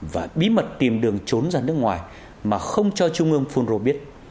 và bí mật tìm đường trốn ra nước ngoài mà không cho trung ương phun rô biết